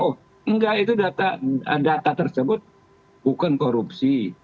oh enggak itu data tersebut bukan korupsi